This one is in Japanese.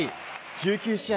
１９試合